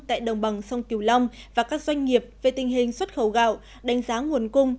tại đồng bằng sông kiều long và các doanh nghiệp về tình hình xuất khẩu gạo đánh giá nguồn cung